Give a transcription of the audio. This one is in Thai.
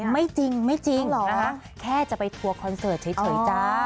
มันจริงมั้ยอะไม่จริงแค่จะไปทัวล์คอนเสาร์ดเฉยจ้า